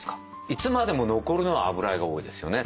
いつまでも残るのは油絵が多いですよね。